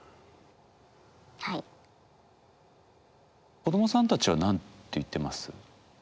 子どもさんたちは何て言ってます？